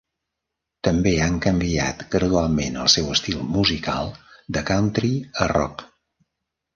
També han canviat gradualment el seu estil musical de country a rock.